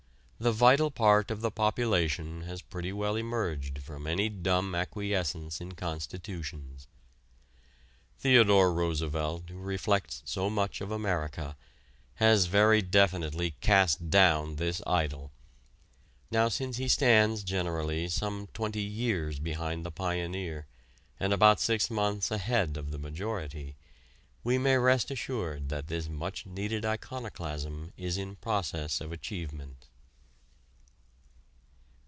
The vital part of the population has pretty well emerged from any dumb acquiescence in constitutions. Theodore Roosevelt, who reflects so much of America, has very definitely cast down this idol. Now since he stands generally some twenty years behind the pioneer and about six months ahead of the majority, we may rest assured that this much needed iconoclasm is in process of achievement.